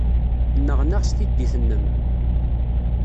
Nneɣnaɣ s tiddit-nnem.